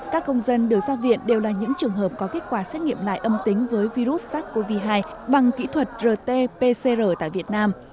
các công dân được ra viện đều là những trường hợp có kết quả xét nghiệm lại âm tính với virus sars cov hai bằng kỹ thuật rt pcr tại việt nam